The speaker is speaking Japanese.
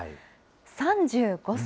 ３５歳。